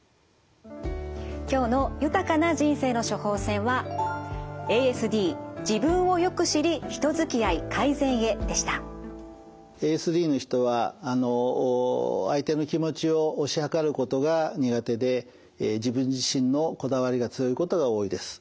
今日の豊かな人生の処方せんはＡＳＤの人は相手の気持ちを推し量ることが苦手で自分自身のこだわりが強いことが多いです。